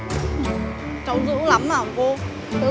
cháu dữ lắm mà ông cô